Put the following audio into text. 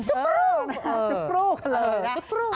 จุ๊บกลูบจุ๊บกลูบเลยนะ